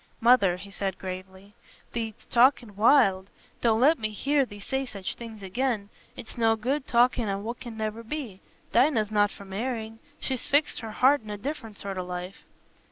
"Mother," he said, gravely, "thee't talking wild. Don't let me hear thee say such things again. It's no good talking o' what can never be. Dinah's not for marrying; she's fixed her heart on a different sort o' life."